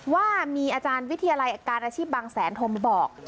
ว่ามีอาจารย์วิทยาลัยการอาชีพบางแสนโทรมาบอก